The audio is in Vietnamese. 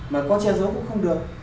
mà có che giấu cũng không được